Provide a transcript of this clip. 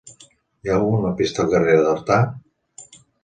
Hi ha algun lampista al carrer d'Artà?